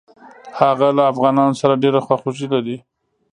هغه له افغانانو سره ډېره خواخوږي لري.